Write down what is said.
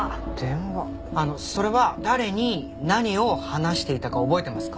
あのそれは誰に何を話していたか覚えてますか？